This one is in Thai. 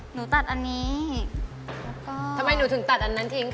หนูตัดอันนี้แล้วก็ทำไมหนูถึงตัดอันนั้นจริงคะ